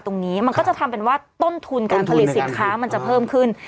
ต้นทุนการผลิตสินค้ามันจะเพิ่มขึ้น